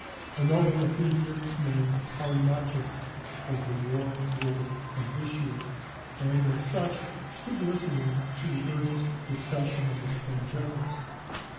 A noble Athenian named Callimachus was the war ruler of this year, and, as such, stood listening to the earnest discussion of the ten generals.